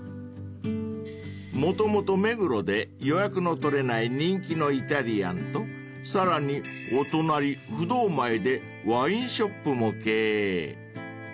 ［もともと目黒で予約の取れない人気のイタリアンとさらにお隣不動前でワインショップも経営］